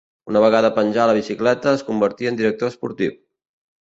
Una vegada penjà la bicicleta es convertí en director esportiu.